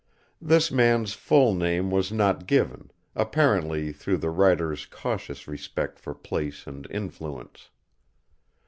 This man's full name was not given, apparently through the writer's cautious respect for place and influence.